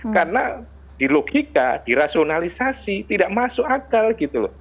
karena di logika di rasionalisasi tidak masuk akal gitu loh